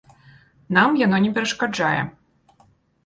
Нам яно не перашкаджае.